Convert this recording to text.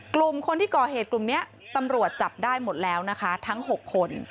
กลุ่มคนที่ก่อเหตุกลุ่มนี้ตำรวจจับได้หมดแล้วนะคะทั้ง๖คน